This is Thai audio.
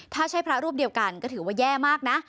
ถ้าใช่พระรูปเดียวกันก็ถือว่าแย่มากนะ